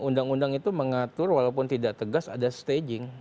undang undang itu mengatur walaupun tidak tegas ada staging